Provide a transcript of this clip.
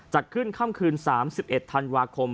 จัดขึ้นค่ำคืน๓๑ธันวาคม